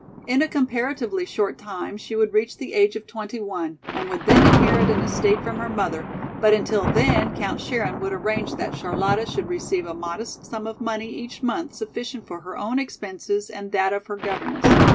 In a comparatively short time she would reach the age of twenty one and would then inherit an estate from her mother, but until then Count Scherin would arrange that Charlotta should receive a modest sum of money each month sufficient for her own expenses and that of her governess.